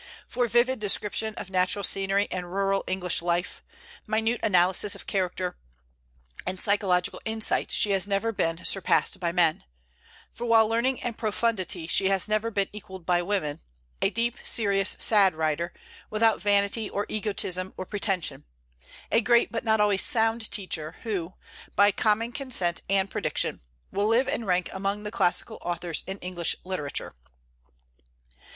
For vivid description of natural scenery and rural English life, minute analysis of character, and psychological insight she has never been surpassed by men; while for learning and profundity she has never been equalled by women, a deep, serious, sad writer, without vanity or egotism or pretension; a great but not always sound teacher, who, by common consent and prediction, will live and rank among the classical authors in English literature.